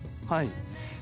はい。